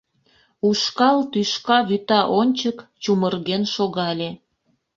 Ушкал тӱшка вӱта ончык чумырген шогале.